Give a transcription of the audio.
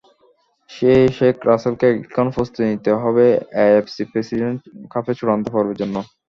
সেই শেখ রাসেলকে এখন প্রস্তুতি নিতে হবে এএফসি প্রেসিডেন্টস কাপের চূড়ান্ত পর্বের জন্য।